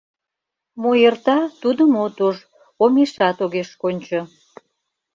Мо эрта — тудым от уж; омешат огеш кончо».